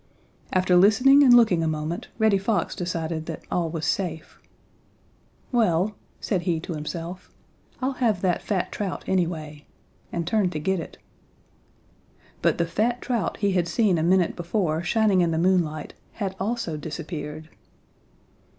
After listening and looking a moment Reddy Fox decided that all was safe. "Well," said he to himself, "I'll have that fat trout anyway," and turned to get it. But the fat trout he had seen a minute before shining in the moonlight had also disappeared.